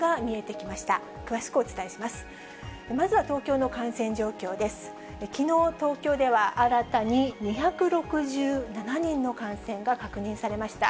きのう、東京では新たに２６７人の感染が確認されました。